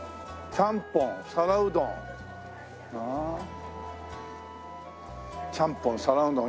ちゃんぽん皿うどん。